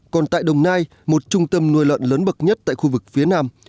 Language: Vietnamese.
còn tại đồng nai một trung tâm nuôi lợn lớn bậc nhất tại khu vực phía nam